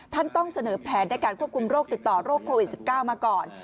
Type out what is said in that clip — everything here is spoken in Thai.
ต้องเสนอแผนในการควบคุมโรคติดต่อโรคโควิด๑๙มาก่อน